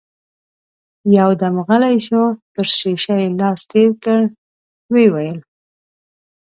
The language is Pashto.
يودم غلی شو، پر شيشه يې لاس تېر کړ، ويې ويل: